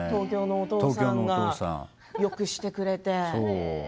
東京のお父さんがよくしてくれて。